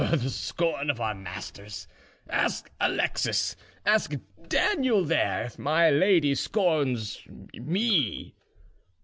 "The scorn of our masters! Ask Alexis, ask Daniel there, if my lady scorns me."